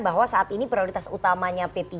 bahwa saat ini prioritas utamanya p tiga